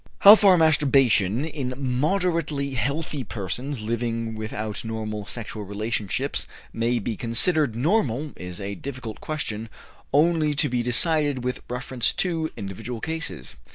How far masturbation in moderately healthy persons living without normal sexual relationships may be considered normal is a difficult question only to be decided with reference to individual cases.